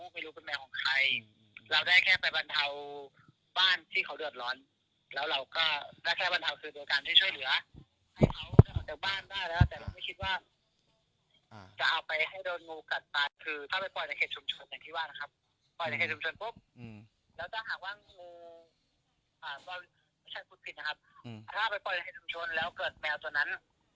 ไม่รู้เป็นแมวของใครเราได้แค่ไปบรรเทาบ้านที่เขาเดือดร้อนแล้วเราก็ได้แค่บรรเทาคือโดยการที่ช่วยเหลือให้เขาออกจากบ้านได้แล้วแต่เราไม่คิดว่าจะเอาไปให้โดนงูกัดปัดคือถ้าไปปล่อยในเขตชุมชนอย่างที่ว่านะครับปล่อยในเขตชุมชนปุ๊บแล้วจะหากว่างงูไม่ใช่พูดผิดนะครับถ้าไปปล่อยในเขตชุมชนแล้วเกิดแมวตัว